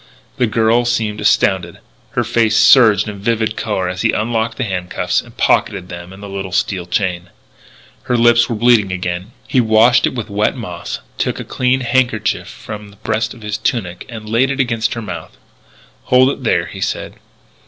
The girl seemed astounded; her face surged in vivid colour as he unlocked the handcuffs and pocketed them and the little steel chain. Her lip was bleeding again. He washed it with wet moss, took a clean handkerchief from the breast of his tunic and laid it against her mouth. "Hold it there," he said.